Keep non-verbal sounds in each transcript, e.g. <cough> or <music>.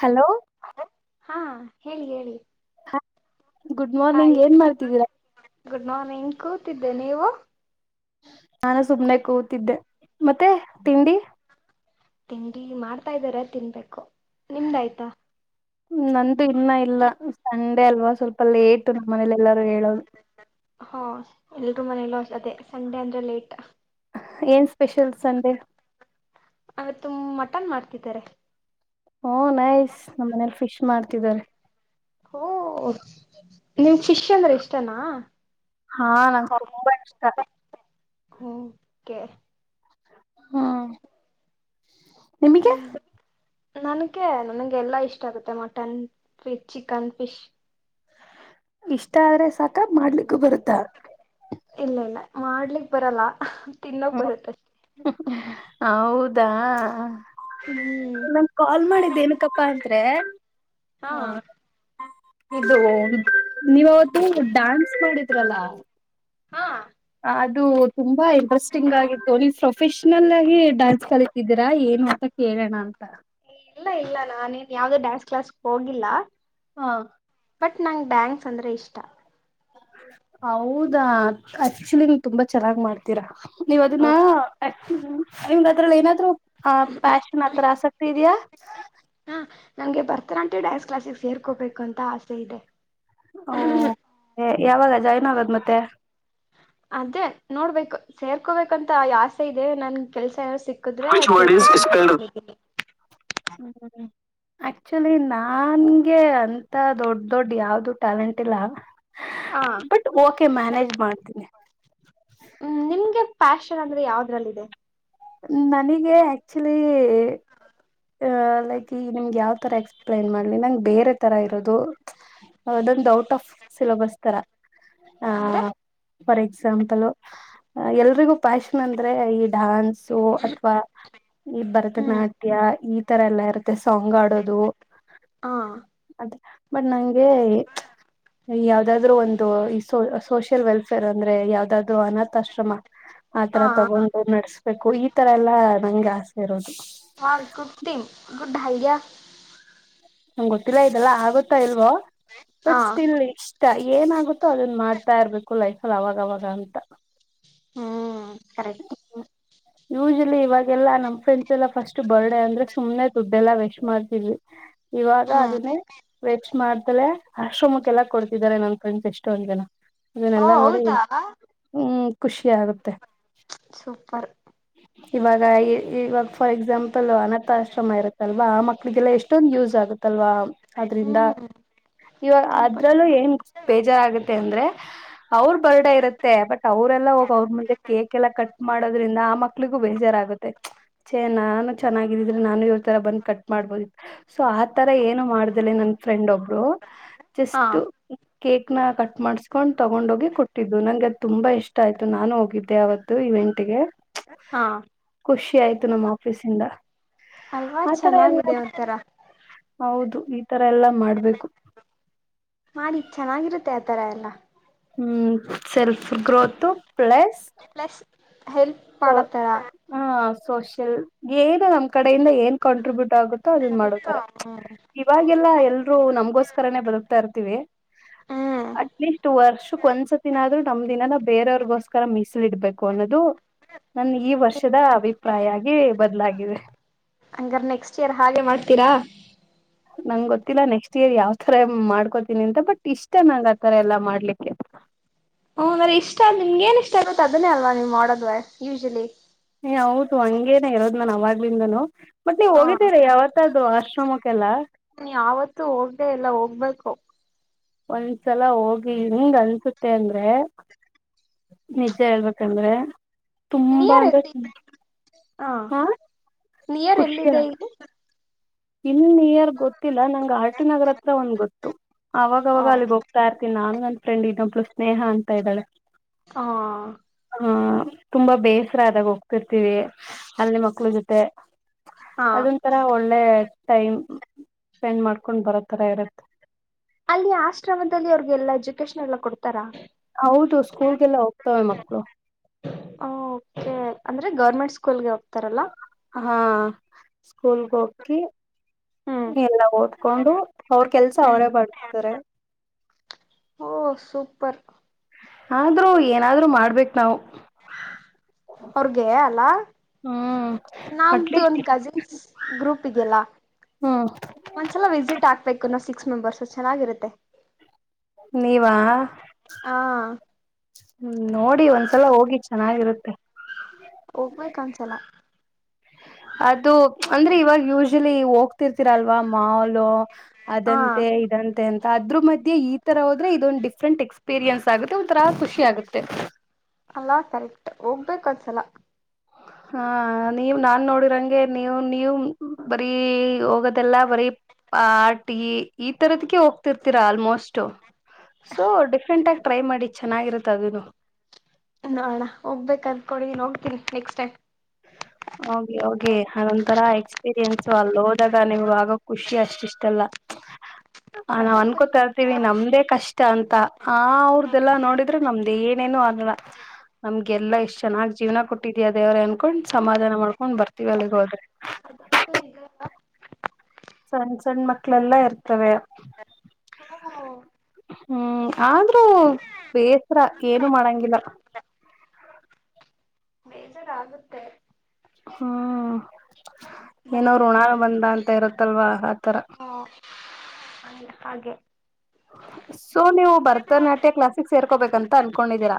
Hello ಹಾ ಹೇಳಿ ಹೇಳಿ ಹಾ ಹ್ ಗುಡ್ ಮಾರ್ನಿಂಗ್ ಕೂ ಿದ್ದೇ ನೀವು ನಾನು ಸುಮನೆ ಕೂತಿದ್ದೆ ಮತ್ತೆ ತಿಂಡಿ ತಿಂಡಿ ಮಾಡ್ತಾ ಇದ್ದಾರ ತಿನ್ಬೇಕು ನಿಮ್ದಾಯ್ತಾ ನ್ದು ಇಲ್ಲ ಇಲ್ಲ ಸಂಡೆ ಅಲ್ವಾ ಸ್ವಲ್ಪಲ್ಲ ಏತು ನಮ್ಮ ಮನೇಲೆ ಎಲ್ಲಾರು ಹೇಳೋದು ಹಾ ಎಲ್ರೂ ಮನೇಲ್ಲೂ ಅದೇ ಸಂಡೆ ಅಂದ್ರೆ ಲೇಟ್ ಏನ್ ಸ್ಪೆಷಲ್ಸ್ ಅಂದೆ ಅವತ್ು ಮಟನ್ ಮಾಡ್ತಿದ್ದಾರೆ ಹ್ಮ ನೈಸ್ ನಮ್ಮ್ ಮನೇಲಿ ಫಿಶ್ ಮಾಡ್ತಿದ್ದಾರೆ ಓ ನಿಮ್ ಶಿಷ್ಯ ಅಂದ್ರೆ ಇಷ್ಟನಾ ಹಾ ನಂ ತುಂಬಾ ಇಷ್ಟ ಓಕ್ಕೆೆ ಹ್ಮ್ ನಿಮಗೆ ನನಗೆ ನನಗೆ ಎಲ್ಲಾ ಇಷ್ಟ ಆಗುತ್ತೆ ಮಟನ್ ಫಿಶ್ ಚಿಕನ್ ಫಿಶ್ ಇಷ್ಟ ಆದ್ರೆ ಸಾಕ ಮಾಡ್ಲಿಕ್ಕೂ ಬರುತ್ತ ಮಾಡ್ಲಿಕ್ಕೆ ಬರಲ್ಲ ತಿ ನ ಹ್ಮ ಕೊರತತಿ ಹೌದಾ ಹ್ಮ್ ನನ್ ಕಾಲ್ ಮಾಡಿದ್ದೆ ನಕಪ್ಪಾ ಅ ತ್ರೆ. ಹಾ. ಇದು ದ್ ನೀವ್ ಅವತ್ತು ಡಾನ್ಸ್ ಮಾಡಿದ್ರಲ್ಲ. ಹಾ. ಅದು ತುಂಬಾ ಇಂಟ್ರೆಸ್ಟಿಂಗ್ ಆಗಿತ್ತು ನೀವು ಪ್ರೊಫೆಷನಲ್ ಆಗಿ ಡಾನ್ಸ್ ಕಲಿತಿದ್ದೀರಾ ಏನು ಅಂತ ಕೇಳೋಣ ಅಂತ. ಇಲ್ಲ ಇಲ್ಲ ನಾನೇನ್ ಯಾವ್ದು ಡ್ಯಾನ್ಸ್ ಕ್ಲಾಸ್ ಹೋಗಿಲ್ಲ. ಹಾ. ಬಟ್ ನಂಗ್ ಡ್ಯಾನ್ಸ್ ಅಂದ್ರೆ ಇಷ್ಟ. ಹೌದಾ ಆಕ್ಚುಲಿ ನೀವ್ ತುಂಬಾ ಚೆನ್ನಾಗ್ ಮಾಡ್ತೀರಾ. ನೀವ್ ಅದನ್ನ. ಹೌದು ನಿಮ್ಗ್ ಅದ್ರಲ್ ಏನಾದ್ರು ಆ ಪ್ಯಾಷನ್ ಆತರ ಆಸಕ್ತಿ ಇದ್ಯಾ. <unintelligible> ನಂಗೆ ಭರತನಾಟ್ಯ ಡ್ಯಾನ್ಸ್ ಕ್ಲಾಸ್ಗೆ ಸೇರ್ಕೋಬೇಕು ಅಂತ ಆಸೆ ಇದೆ. ಓ ಯಾವಾಗ ಜಾಯ್ನ್ ಆಗದ್ ಮತ್ತೆ. ಅದೇ ನೋಡ್ಬೇಕು ಸೇರ್ಕೋಬೇಕಂತ ಆಸೆ ಇದೆ ನನ್ ಕೆಲ್ಸ ಸಿಕ್ಕಿದ್ರೆ ಸೇರ್ಕೊ ಅನ್ಕೊಂಡಿದ್ದೀನಿ <unintelligible> ಆಕ್ಚುಲಿ ನನ್ಗೆ ಅಂತ ದೊಡ್ ದೊಡ್ಡ ಯಾವ್ದು ಟ್ಯಾಲೆಂಟ್ ಇಲ್ಲ. ಹ ಬಟ್ ಓಕೆ ಮ್ಯಾನೇಜ್ ಮಾಡ್ತೀನಿ. <unintelligible> ಫ್ಯಾಷನ್ ಅಂದ್ರೆ ಯಾವದ್ರಲ್ಲ ಇದೆ. ನನಗೆ ಆಕ್ಚುಲಿ ಲೈಕ್ ಈ ನಿಮ್ಗೆ ಯಾವತರ ಎಕ್ಸ್ಪ್ಲೇನ್ ಮಾಡ್ಲಿ ನಂಗೆ ಬೇರೆ ತರ ಇರೋದು ಅದೊಂದು ಔಟ್ ಆಫ್ ಸಿಲಬಸ್ ತರ. ಆ ಅಂದ್ರೆ. ಫಾರ್ ಎಕ್ಸಾಂಪಲ್ ಎಲ್ರಿಗೂ ಪ್ಯಾಷನ್ ಅಂದ್ರೆ ಈ ಡಾನ್ಸ್. ಅಥವಾ ಈ ಹ್ಮ್ ಭರತನಾಟ್ಯ ಈ.. ಇತರ ಎಲ್ಲ. ಮತ್ತೆ ಸಾಂಗ್ ಆಡೋದು ಹಾ <unintelligible> ಬಟ್ ನಂಗೆ ಯಾವ್ದಾದ್ರು ಒಂದು ಈ ಸೋ ಸೋಷಿಯಲ್ ವೆಲ್ಫೇರ್ ಅಂದ್ರೆ ಯಾವ್ದಾದ್ರು ಅನಾಥಾಶ್ರಮ. ಆತರ ಹಾ ತಗೊಂಡು ನಡ್ಸ್. ು ಈ ತರ ಎಲ್ಲಾ ನಂಗೆ ಆಸೆ ಇರೋದು. ಹಾ ಗುಡ್ ಥಿಂಗ್ ಗುಡ್ ಐಡಿಯಾ ನಮ್ಗೆ ಗೊತ್ತಿಲ್ಲ ಇದಲ್ಲಾ ಆಗುತ್ತಾ ಇಲ್ವೋ. ಹಾ ಬಟ್ ಸ್ಟಿಲ್ ಏನಾಗುತ್ತೋ ಅದನ್ ಮಾಡ್ತಾ ಇರ್ಬೇಕು ಲೈಫಲ್ಲಿ ಅವಾಗವಾಗ ಅಂತ. Hmm correct. ಯೂಶಲಿ ಇವಾಗೆಲ್ಲಾ ನಮ್ ಫ್ರೆಂಡ್ಸ್ ಎಲ್ಲಾ ಫಸ್ಟ್ ಬರ್ಡೇ ಅಂದ್ರೆ ಸುಮ್ನೆ ದುಡ್ಡೆ ಎಲ್ಲಾ ವೆಸ್ಮಾಡ್ತಿದ್ವಿ. ಇವಾಗ ಹ್ಮ್ ಅದನ್ನೇ ವೇಸ್ಟ್ ಮಾಡ್ತಲೇ ಆಶ್ರಮಕ್ಕೆಲ್ಲ ಕೊಡ್ತಿದ್ದಾರೆ ನನ್ ಫ್ರೆಂಡ್ಸ್ ಎಷ್ಟೊಂದ್ ಜನ. ಓ ಅದನ್ನೆಲ್ಲಾ ನೋಡಿ ಹೌದಾ ಹ್ಮ್ ಖುಷಿ ಆಗುತ್ತೆ ಸೂಪರ್ ಇವಾಗ ಇವಾಗ ಫಾರ್ ಎಕ್ಸಾಂಪಲ್ ಅನಾಥಾಶ್ರಮ ಇರುತ್ತಲ್ವಾ ಆ ಮಕ್ಳಿಗೆಲ್ಲ ಎಷ್ಟೊಂದಂದು ಯೂಸ್ ಆಗುತ್ತೆ ಅದ್ರಿಂದ ಹ್ಮ್ ಇವಾಗ ತುಂಬಾ ಅದ್ರಲ್ಲೂ ಏನ್ ಬೇಜಾರಾಗುತ್ತೆ ಅಂದ್ರೆ ಅವರು ಬರ್ಡ ಇರತ್ತೆ ಬಟ್ ಅವ್ರಲ್ಲಾ ಹೋಗ ಅವ್ರ ಮುಂದೆ ಕೇಕ್ ಎಲ್ಲಾ ಕಟ್ ಮಾಡೋದ್ರಿಂದ ಮಕ್ಳಿಗೂ ಬೇಜಾರಾಗುತ್ತೆ ಚೆ ನಾನು ಚನ್ನಾಗಿದ್ರೆ ನಾನು ಇವ್ರ ತರ ಬಂದ್ ಕಟ್ ಮಾಡ್ಬೋದಿ ಸೊ ಆತರ ಏನು ಮಾಡ್ದೇಲೆ ನನ್ ಫ್ರೆಂಡ್ ಒಬ್ಬ ಹಾ ಜಸ್ಟ್ ಕೇಕ್ನ ಕಟ್ ಮಾಡ್ಸ್ಕೊಂಡು ತಗೊಂಡೋಗಿ ಕೊಟ್ಟಿದ್ದು ನಂಗೆ ಅದು ತುಂಬಾ ಇಷ್ಟ ಆಯ್ತು ನಾನು ಹೋಗಿದ್ದೆ ಅವವತ್ತು ಇವೆಂಟ್ಗೆ ಹಾ ಖುಷಿ ಆಯ್ತು ನಮ್ಮ ಆಫೀಸ ಇಂದ ಅಲ್ವಾ ಚೆನ್ನಾಗಿದೆ ಒಂತರ. ಹೌದು ಈ ತರ ಎಲ್ಲ ಮಾಡ್ಬೇಕು. ತರ ಎಲ್ಲ. ಹ್ಮ್ ಸೆಲ್ಫ್ ಗ್ರೋತ್ ಪ್ಲಸ್ ರಿಪ್ಲಸ್ ಹೆಲ್ಪ್ ಮಾಡೊತರ. ಹ ಸೋಷಿಯಲ್ ಏನು ನಮ್ಮ್ ಕಡೆಯಿಂದ ಏನ್ ಕಾಂಟ್ರಿಬ್ಯೂಟ್ ಗುತ್ತೋ ಅದುನ್ ಗೊತ್ತಾ ಮಾಡೊತರೆ ಇವಾಗೆಲ್ಲಾ ಎಲ್ರು ನಮ್ಗೋಸ್ಕರನೇ ಬದುಕ್ ತರ್ತಿವಿ. ಹ್ಮ್ ಅಟ್ಲೀಸ್ಟ್ ವರ್ಷಕ್ ಒಂದ್ಸತ್ತಿ ನಾದ್ರು. ನಮ್ದ್ ಇನ್ನನ. ಬೇರೆಯಾವ್ರಿರ್ಗೋಸ್ಕರ ಮಿಸಲ್ ಇಡ್ಬೇಕ್ ಕೊನದು. ನನ್ಗ್ ಈ ವರ್ಷದ ಅಭಿಪ್ರಾಯ ಆಗಿ ಬದ್ಲಾಗಿದೆ. ಹಂಗಾರ್ ನೆಕ್ಸ್ಟ್ ಇಯರ್ ಹಾಗೆ ಮಾಡ್ತೀರಾ. ನಂಗ್ ಗೊತ್ತಿಲ್ಲ ನೆಕ್ಸ್ಟ್ ಇಯರ್ ಯಾವ್ತರ ಮಾಡ್ಕೋತೀನಿ ಅಂತ ಬಟ್ ಇಷ್ಟ ನಂಗ್ ಆತರ ಎಲ್ಲಾ ಮಾಡ್ಲಿಕ್ಕೆ. ಹ್ಮ್ ಹಂಗಾರೆ ಇಷ್ಟ ನಿಮ್ಗೆ ಏನ್ ಇಷ್ಟ ಆಗತ್ತೆ ಅದನ್ನೇ ಅಲ್ವಾ ನೀವ್ ಮಾಡೋದ್ ಯೂಶಲಿ ಹೌದು ಹಂಗೇನ ಇರೋದ್ ನಾನ ಅವಾಗ್ಲಿಂದನು ಮತ್ ನೀವ್ ಹಾ ಹೋಗಿದ್ದೀರಿ ಯಾವತ್ತಾದ್ರು ಆಶ್ರಮಕ್ಕೆಲ್ಲ ನೀ ಯಾವತ್ತುೂ ಹೋಗ್ದ ಎಲ್ಲ ಹೋಗ್ಬೇಕು ಒಂದ್ಸಲ ಹೋಗಿ ಹಿಂಗ್ ಅನ್ಸುತ್ತೆ ಅಂದ್ರೆ ನಿಜ ಹೇಳ್ಬೇಕಂದ್ರೆ ತುಂಬಾ ನಿಯರ್ ಅಂದ್ರೆ ಎಲ್ಲಿ <unintelligible> ಹಾ ನಿಯರ್ ಎಲ್ಲಿದೆ ಇಲ್ಲಿ ಇನ್ನು ನಿಯರ್ ಗೊತ್ತಿಲ್ಲ ನಂಗೆ ಆರ್ಟಿ ನಗರ ಹತ್ರ ಒಂದ್ ಗೊತ್ತು ಆ ಅವಾಗವಾಗ ಹಾ ಅಲ್ಲಿ ಹೋಗ್ತಾ ಇರ್ತೀನಿ ನಾನು ನನ್ನ ಫ್ರೆಂಡ್ ಇನ್ನೊಬ್ಬ ಸ್ನೇಹ ಅಂತ ಇದ್ದಾಳೆ ಹಾ ಹ ತುಂಬಾ ಬೇಸ್ರ ಆದಾಗ್ ಹೋಗ್ತಿರ್ತೀವಿ ಅಲ್ಲಿ ಮಕ್ಳು ಜೊತೆ, ಹಾ ಅದೊಂತರ ಒಳ್ಳೆ ಟೈಮ್ ಸ್ಪೆಂಡ್ ಮಾಡ್ಕೊಂಡ್ ತರ ಇರುತ್ತೆ ಅಲ್ಲಿ ಆಶ್ರಮದಲ್ಲಿ ಅವರು ಎಲ್ಲ ಎಜುಕೇಶನ್ ಎಲ್ಲ ಕೊಡ್ತಾರಾ ಹೌದು ಸ್ಕೂಲ್ಗೆಲ್ಲ ಹೋಗ್ತವೆ ಮಕ್ಕಳು ಓಕೆ ಅಂದ್ರೆ ಗೌರ್ಮೆಂಟ್ ಸ್ಕೂಲ್ಗೆ ಹೋಗ್ತಾರಲ್ಲ ಹಾ ಸ್ಕೂಲ್ಗೆ ಹೋಗಿ ಹ್ಮ್ ಎಲ್ಲ ಓದ್ಕೊಂಡು ಅವ್ರ ಕೆಲ್ಸ ಅವರೇ ಹ್ಮ್ ಬಡ್ಕೊತಾರೆ <unintelligible> ಸೂಪ್ಪರ್ ಆದ್ರೂ ಏನಾದ್ರು ಮಾಡ್ಬೇಕ್ ನಾವು ಅವ್ರಗೆ ಅಲ ಹ್ಮ್ ನಮ್ದು ಅಟ್ಲೀಸ್ಟ್ ಒಂದ್ ಕಜಿನ್ಸ್ ಗ್ರೂಪ್ <unintelligible> ಗೆಲ್ಲ ಹ್ಮ್ ಒಂದ್ಸಲ ವಿಸಿಟ್ ಹಾಕ್ಬೇಕು ನಾ ಸಿ ಸಿಕ್ಸ್ ಮೆಂಬರ್ಸ್ ಚೆನ್ನಾಗಿರುತ್ತೆ ನೀವಾ ಹಾ ನೋಡಿ ಒಂದ್ಸಲ ಹೋಗಿ ಚೆನ್ನಾಗಿರುತ್ತೆ ಹೋಗ್ಬೇಕ ಅನ್ಸಲ್ಲ ಅದು ಅಂದ್ರೆ ಇವಾಗ ಯೂಶಲಿ ಹೋಗ್ತ ತಿರ್ತಿರಲ್ವಾ ಮಾಲು ಹಾ ಅದಂತೆ ಇದಂತೆ ಅದ್ರು ಮಧ್ಯೆ ಈ ತರ ಹೋದ್ರೆ ಇದೊಂದಂದು ಡಿಫ್ರೆಂಟ್ ಎಕ್ಸ್ಪೀರಿಯನ್ಸ್ ಆಗುತ್ತೆ ಒನ್ ತರಾ ಖುಷಿ ಆಗುತ್ತೆ ಅಲ್ಲಾ ಕರೆಕ್ಟ್ ಹೋಗ್ಬೇಕ ಒಂದ್ಸಲ ಹ ನೀವ್ ನಾನ್ ನೋಡಿರಂಗೆ ನೀವು ನೀವು ಬರೀ ಹೋಗೋದೆಲ್ಲಾ ಬರೀ ಆರ್ಟಿಗಿ ಈ ತರದಕ್ಕೆ ಹೋಗ್ತಿರ್ತೀರಾ ಆಲ್ಮೋಸ್ಟ್ ಸೊ ಡಿಫ್ರೆಂಟ್ ಆಗ ಟ್ರೈ ಮಾಡಿ ಚೆನ್ನಾಗಿರತ್ತ ಅದನು <unintelligible> ನೆಕ್ಸ್ ಟೈಮ್ ಹೋಗಿ ಹೋಗಿ ಅದೊಂತರ ಎಕ್ಸ್ಪೀರಿಯನ್ಸು ಅಲ್ಲಿ ಹೋದಾಗ ನಿಮ್ಗೆ ಆಗ ಖುಷಿ ಅಷ್ಟಿಷ್ಟ ಅಲ್ಲ ಹ ನಾವ್ ಅಷ್ಟೊಂದು ಖುಷಿ ಅನ್ಕೋತಾ ಇರ್ತೀವಿ ಆಗುತ್ತಾ ನಮ್ದೇ ಕಷ್ಟ ಅಂತ ಆ ಅವ್ರ್ದೆಲ್ಲಾ ನೋಡಿದ್ರೆ ನಮ್ದ ಏನ್ <unintelligible> ಏನ್ ಏನು ಆಗಲ್ಲ ನಮ್ಗೆಲ್ಲ ಎಷ್ಟ್ ಚೆನ್ನಾಗ್ ಜೀವನ ಕೊಟ್ಟಿದ್ಯಾ ದೇವರೇ <unintelligible> ಸಮಾಧಾನ ಮಾಡ್ಕೊಂಡ್ ಬರ್ತೀವಿ ಅಲ್ಲಿಗೆ ಹೋದ್ರೆ <unintelligible> ಸಣ್ಣ್ ಸಣ್ಣ ಮಕ್ಳಲ್ಲಾ ಇರ್ತವೆ ಹ್ಮ ಹ್ಮ್ ಆದ್ರೂ ಬೇಸರ ಏನು ಮಾಡಂಗಿಲ್ಲ ಬೇಜಾರಾಗುತ್ತೆ ಹ್ಮ್ ಬಟ್ ಏನೋಋಣಾಗ ಬಂದ ಅಂತ ಇರತ್ತಲ್ವಾ ಆತರ ಹ ಹಂಗ ಹಾಗೆ ಸೊ ನೀವು ಭರತನಾಟ್ಯ ಕ್ಲಾಸಿಕ್ ಸೇರ್ಕೋಬೇಕಂತ ಅನ್ಕೊಂಡಿದ್ದೀರಾ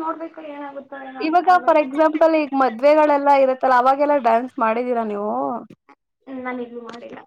ನೋಡ್ಬೇಕ್ರ ಏನಾಗುತ್ತೆ ಇವಾಗ ಆಗಲ್ ಫಾರ್ ಎಕ್ಸಾಂಪಲ್ ಈಗ ಮದ್ವೆಗಳೆಲ್ಲಾ ಇರತ್ತಲ್ಲ ಅವಾಗೆಲ್ಲ ಡಾನ್ಸ್ ಮಾಡಿದೀರಾ ನೀವು ಹ್ಮ ನಾನ ಇೂ ಮಾಡಿಲ್ಲ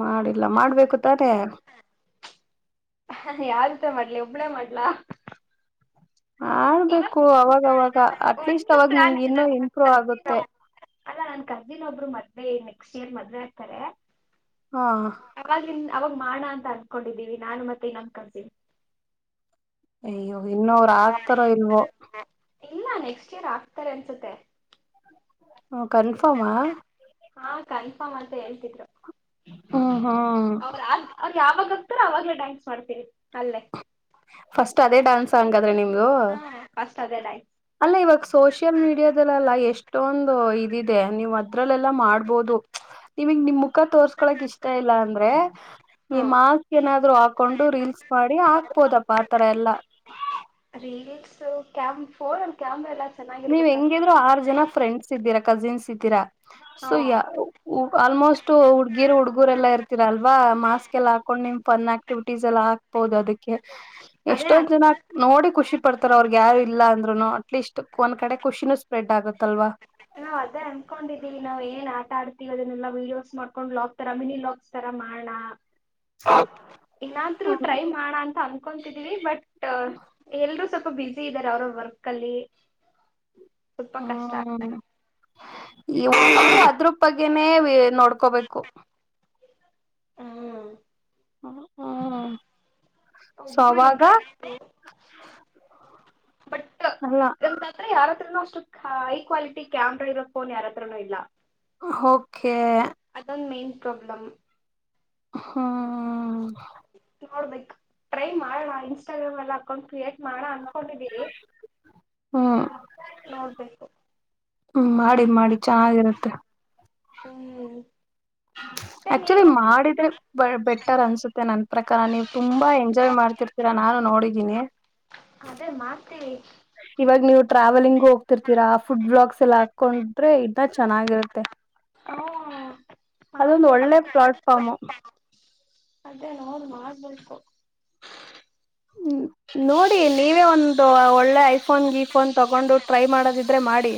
ಮಾಡಿಲ್ಲ ಮಾಡ್ಬೇಕು ತಾರೆ ಯಾವ್ದ ಮಾಡ್ಲಿ ಒಬ್ಬಳೇ ಮಾಡ್ಲಾ ಆಳ್ಬೇಕು ಇವತ್ತು ಅವಾಗವಾಗ ಅಟ್ಲೀಸ್ಟ್ ಒಂದು ಪ್ಲಾನ್ ವಾಗಮಗೆ ಇದೆ ಇನ್ನೂ ಇಂಪ್ರೂವ್ ಆಗುತ್ತೆ ಹೆ ತ್ದಿನ ಒಬ್ರು ಮದ್ೆ ನೆಕ್ಸ್ಟ್ ಇಯರ್ ಮದ್ುವೆ ಆಗ್ತಾರೆ ಹಾ ಅವಾಗಿನ್ ಅವಾಗ ಮಾಡೋ ಅಂತ ಅನ್ಕೊಂಡಿದ್ದೀವಿ ನಾನು ಮತ್ತೆ ನಮ್ ಕಸಿನ್ ಅಯ್ಯೋ ಇನ್ನ ಅವರು ಆಗ್ತಾರ ಇಲ್ವೋ ಇಲ್ಲ ನೆಕ್ಸ್ಟ್ ಇಯರ್ ಆಗ್ತಾರೆ ಅನ್ಸುತ್ತೆ ಹ್ಮ ಕನ್ಫಾರಾಮಾ ಹಾ ಕನ್ಫರ್ಮ್ ಅಂತ ಹೇಳ್ತಿದ್ರು ಹ್ಮ ಹಾ ಅವ್ರ ಅವ್ರ ಯಾವಾಗ ಹಕ್ತಾರ ಅವಾಗ್ಲೇ ಡ್ಯಾನ್ಸ್ ಮಾಡ್ತೀವಿ ಅಲ್ಲೇ ಫಸ್ಟ್ ಅೇ ಡಾನ್ಸ್ ಆಗೆ ಹ ಪಷ್ಟತಾದ ಲ ಅಲ್ಲ ಇವಾಗ ಸೋಷಿಯಲ್ ಮೀಡಿಯಾದಲ್ಲಲ್ಲ ಎಷ್ಟೊಂದು ಇದಿದೆ ನೀವ್ ಅದ್ರಲ್ಲೆಲ್ಲಾ ಮಾಡ್ಬೋದು ನಿವಗ್ ನಿಮ್ ಮುಖ ತೋರ್ಸ್ಕೊಳಕ್ ಇಷ್ಟ ಇಲ್ಲ ಅಂದ್ರೆ ಹಾ ಈ ಮಾಸ್ಕ್ ಏನಾದ್ರು ಹಾಕೊಂಡು ರೀಲ್ಸ್ ಮಾಡಿ ಹಾಕ್ಬೋದಪ್ಪ ಆತರ ಎಲ್ಲಾ ರೀಲ್ಸ್ ಕ್ಯಾಮ ಫೋನ್ ಒ ಕ್ಯಾಮ್ರಾ ಎಲ್ಲ ನೀವ್ ಚೆನ್ನಾಗಿರ್ಬೇಕಲ್ವಾ ಹೆಂಗಿದ್ರು ಆರು ಜನ ಫ್ರೆಂಡ್ಸ್ ಇದ್ದೀರ ಕಜನ್ಸ್ ಇದ್ದೀರಾ ಹಾ ಸಯ ಆಲ್ಮೋಸ್ಟ್ ಹುಡ್ಗಿರು ಹುಡ್ಗುರೆ ಎಲ್ಲಾ ಇರ್ತೀರಲ್ವಾ ಮಾಸ್ಕ್ ಎಲ್ಲ ಹಾಕೊಂಡ್ ನಿಮ್ ಫನ್ ಆಕ್ಟಿವಿಟೀಸ್ ಎಲ್ಲಾ ಹಾಕ್ಬೋದು ಅದಕ್ಕೆ ಅದೇ ಎಷ್ಟೊಂದ್ ಜನ ಆಗ್ತ ನೋಡಿ ಖುಷಿ ಪಡ್ತಾರ ಅವ್ರಗ್ ಯಾರು ಇಲ್ಲ ಅಂದ್ರುನು ಅಟ್ಲೀಸ್ಟ್ ಒಂದ್ ಕಡೆ ಖುಷಿನೂ ಸ್ಪ್ರೆಡ್ ಆಗುತ್ತಲ್ವಾ ಅನ್ಕೊಂಡಿದೀವಿ ನಾವ್ ಏನ್ ಆಟ ಆಡ್ತಿೀವಿ ಅದನ್ನೆಲ್ಲ ವೀಡಿಯೋಸ್ ಮಾಡ್ಕೊಂಡ್ ಬ್ಲಾಗ್ ತರಾ ಮಿನಿ್ಲಾಗ್ಸ್ ತರ ಮಾಡೋಣ ಇನ್ನಾದ್ರರು ಟ್ರೈ ಮಾಡ ಅಂತ ಅಂತ ಕೊಂತಿದ್ದೀವಿ ಬಟ್ ಎಲ್ರೂ ಸ ಬಿಸಿ ಇದಾರೆ ಅವ್ರ ವರ್ಕ್ ಅಲ್ಲಿ ಸ್ವಲ್ಪ ಕಷ್ಟ ಆಗ್ತ ಹ್ಮ್ ಅದ್ರ ಬಗ್ಗೆನೇ ನೋಡ್ಕೋಬೇಕು ಹ್ಮ್ ಹ ಹ್ಮ ಒಬ್ರು ಇರ್ಬೇಕು ಬಟ್ ಅಲ್ಲ ಎ್ರೆ ಯಾರತ್ರನ ಅ ಅಷ್ಟು ಹೈ ಕ್ವಾಲಿಟಿ ಕ್ಯಾಮರಾ ಇರೋ ಫೋನ್ ಯಾರ ಹತ್ರನುೂ ಇಲ್ಲ ಓಕೆ ಪ್ರೊಬ್ಲಮ ಹ್ಮ್ ನೋಡ್ಬೇಕು ಟ್ರೈ ಮಾಡಣ ಇನ್ಸ್ಟಾಗ್ರಾಮ್ ಎಲ್ಲ ಅಕೌಂಟ್ ಕ್ರಿಯೇಟ್ ಮಾಡ ಅನ್ಕೊಂಡಿದೀವಿ ಹ್ಮ್ ನೋಡ್ಬೇಕು ಹ್ಮ್ ಮಾಡಿ ಮಾಡಿ ಚೆನ್ನಾಗಿರುತ್ತೆ ಹ್ಮ್ ಮತ್ತೆ ಆಕ್ಚುಲಿ ನೀವು ಮಾಡಿದ್ರೆ ಬೆಟರ್ ಅನ್ಸುತ್ತೆ ನನ್ ಪ್ರಕಾರ ನೀವು್ ತುಂಬಾ ಎಂಜಾಯ್ ಮಾಡ್ತಿರ್ತೀರಾ ನಾನು ನೋಡಿದ್ದೀನಿ ಅದೇ ಮಾಡ್ತೀವಿ ಇವಾಗ ನೀವು ಟ್ರಾವೆಲಿಂಗು ಹೋಗ್ತಿರ್ತೀರಾ ಆ ಫುಡ್ ಬ್ಲಾಗಕ್ಸ್ ಎಲ್ಲ ಹಾಕೊಂಡ್ರೆ ಇದನ್ನ ಚೆನ್ನಾಗಿರುತ್ತೆ ಹಾ ಅದು ಒಂದು ಮಾಡ್ಬೇಕು ಒಳ್ಳೆ ಪ್ಲಾಟ್ಫಾರಾಮ ಅದೇ ನೋಡ್ ಮಾಡ್ಬೇಕು ಹ್ಮ ನೋಡಿ ನೀವೇ ಒಂದು ಒಳ್ಳೆ ಐಫೋನ್ ಇಫೋನ್ ತಗೊಂಡು ಟ್ರೈ ಮಾಡದಿದ್ರೆ ಮಾಡಿ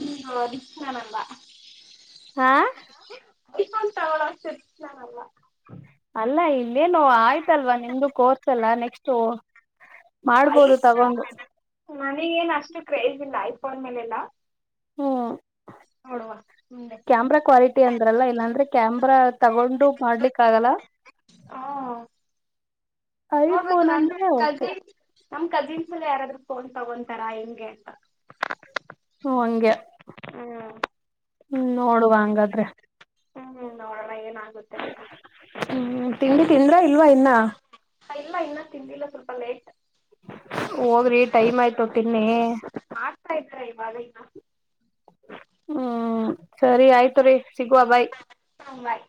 ಹ್ಮ ದಕ್ಷಾನಂಬ ಹಾ ಹ ಇೊಂತಗಳಿರ್ ನಲ್ಲ ಅಲ್ಲ ಇನ್ನೇನು ಆಯ್ತಲ್ವಾ ನಿಮ್ದು ಕೋರ್ಸ್ ಎಲ್ಲ ನೆಕ್ಸ್ಟ್ ಯ ಮಾಡ್ಬೋದು ತಗೊಂಡು ನನಗೇಏನ್ ಅಷ್ಟು ಕ್ರೇಜ್ ಇಲ್ಲ ಆಯ್ತು ಪಂದ ಮೇಲೆ ಎಲ್ಲಾ ಹ್ಮ್ ಮುಂದೆ ಕ್ಯಾಮರಾ ಕ್ವಾಲಿಟಿ ಅಂದ್ರಲ್ಲ ಇಲ್ಲಾಂದ್ರೆ ಕ್ಯಾಮ್ರಾ ತಗೊಂಡು ಮಾಡ್ಲಿಕ್ಕ ಆಗಲ್ಲ ಹಾ ನೋಡ್ಬೇಕು ಐಫೋನ್ ನನ್ನ ಅಂದ್ರೆ ಓಕೆ ಕಜಿನ್ ನಮ್ ಕಜಿನ್ಸ್ ಎಲ್ಲ ಯಾರಾದ್ರು ಕೊಂಡ ತಗೊಂತರಾ ಹೆಂಗೆ ಅಂತ ಹ ಹಂಗೆ ಹ್ಮ ಹ್ಮ್ ನೋಡುವ ಹಂಗಾದ್ರೆ ಹ್ಮ್ ನೋಡೋಣ ಏನಾಗುತ್ತೆ ಅಂತ ಹ್ಮ್ ತಿಂಡಿ ತಿಂದ್ರಾ ಇಲ್ವಾ ಇನ್ನ ಇಲ್ಲ ಇನ್ನ ತಿಂದಿಲ್ಲ ಸ್ವಲ್ಪ ಲೇಟ್ ಹೋಗ್ರಿ ಟೈಮ್ ಆಯ್ತು ತಿನ್ನಿ ಇವ ಅಲ್ಲ ಹ್ಮ್ ಸರಿ ಆಯ್ತು ರೀ ಸಿಗುವ ಭೈ ಬಾಯ್.